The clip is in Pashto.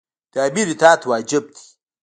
د امیر اطاعت واجب دی.